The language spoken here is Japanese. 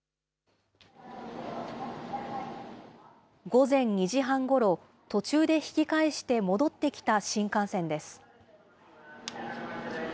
午前２時半ごろ、途中で引き返して戻ってきた新幹線です。